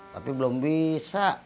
tapi belum bisa